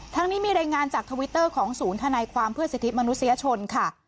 นี้มีรายงานจากทวิตเตอร์ของศูนย์ธนายความเพื่อสิทธิมนุษยชนค่ะ